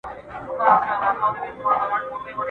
زه جلوه د کردګار یم زه قاتله د شیطان یم ..